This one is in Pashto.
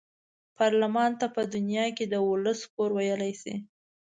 پارلمان ته په دنیا کې د ولس کور ویلای شي.